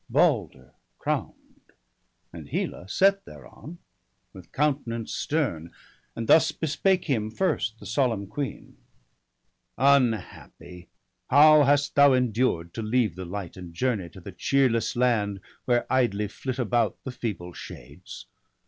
Balder crown'd, And Hela set thereon, with countenance stern; And thus bespake him first the solemn queen :— 'Unhappy, how hast thou endured to leave The light, and journey to the cheerless land Where idly flit about the feeble shades?